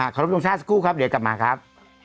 ขอรบทรงชาติสักครู่ครับเดี๋ยวกลับมาครับ